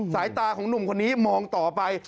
สายตาของหนุ่มคนนี้มองต่อไป